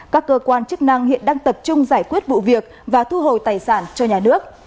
các cơ quan chức năng hiện đang tập trung giải quyết vụ việc và thu hồi tài sản cho nhà nước